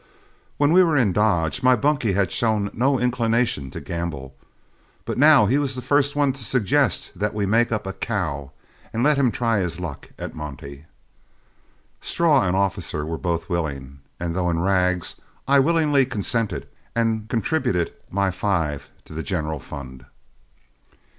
When we were in Dodge, my bunkie had shown no inclination to gamble, but now he was the first one to suggest that we make up a "cow," and let him try his luck at monte. Straw and Officer were both willing, and though in rags, I willingly consented and contributed my five to the general fund.